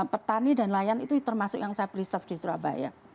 petani dan nelayan itu termasuk yang saya preserve di surabaya